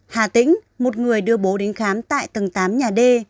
hà tĩnh một người đưa bố đến khám tại tầng tám nhà d